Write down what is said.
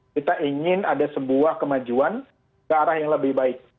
kita ingin ada sebuah kemajuan ke arah yang lebih baik